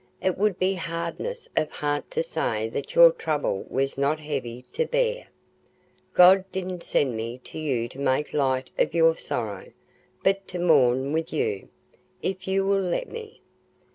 It would be hardness of heart to say that your trouble was not heavy to bear. God didn't send me to you to make light of your sorrow, but to mourn with you, if you will let me.